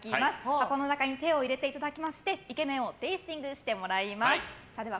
箱の中に手を入れていただきましてイケメンをテイスティングしてもらいます。